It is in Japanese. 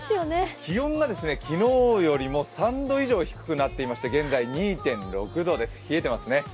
気温が昨日よりも３度以上低くなっていまして現在２．６度です、冷えてますね。